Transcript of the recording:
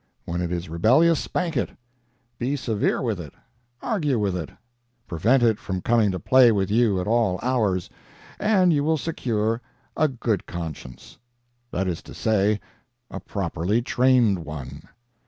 When it is rebellious, spank it—be severe with it, argue with it, prevent it from coming to play with you at all hours, and you will secure a good conscience; that is to say, a properly trained one.